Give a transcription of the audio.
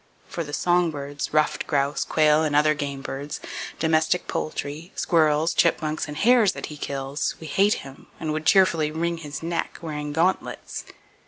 For the song birds, ruffed grouse, quail, other game birds, domestic poultry, squirrels, chipmunks and hares that he kills, we hate him, and would cheerfully wring his neck, wearing gauntlets.